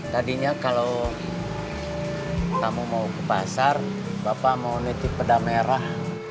tadinya kalau kamu mau ke pasar bapak mau nitip peda merah